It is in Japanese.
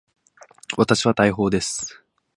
私は大砲です。